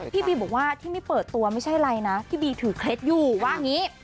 พี่บีบอกว่าที่ไม่เปิดตัวไม่ใช่อะไรนะพี่บีถือเคล็ดอยู่ว่าอย่างนี้